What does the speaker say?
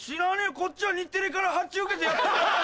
こっちは日テレから発注を受けてやってるだけだから。